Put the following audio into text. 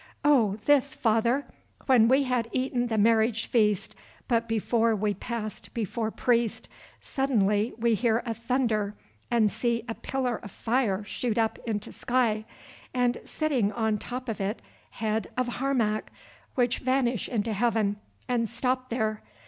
"Oh, this, father. When we had eaten the marriage feast, but before we pass before priest, suddenly we hear a thunder and see a pillar of fire shoot up into sky, and sitting on top of it head of Harmac, which vanish into heaven and stop there.